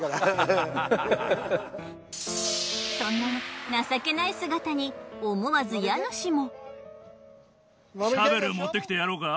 そんな情けない姿に思わず家主も。